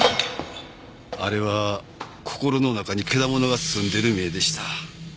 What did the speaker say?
あれは心の中にケダモノがすんでる目でした。